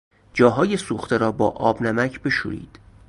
جاهای سوخته را با آب نمک بشویید.